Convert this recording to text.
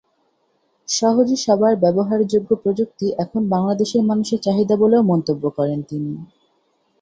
সহজে সবার ব্যবহারযোগ্য প্রযুক্তি এখন বাংলাদেশের মানুষের চাহিদা বলেও মন্তব্য করেন তিনি।